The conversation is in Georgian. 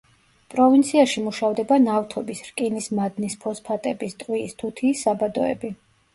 პროვინციაში მუშავდება ნავთობის, რკინის მადნის, ფოსფატების, ტყვიის, თუთიის საბადოები.